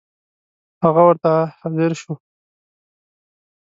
هغه ورته حاضر شو.